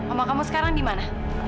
sama kamu sekarang di mana